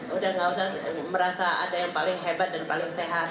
udah gak usah merasa ada yang paling hebat dan paling sehat